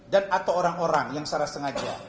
dan atau orang orang yang secara sengaja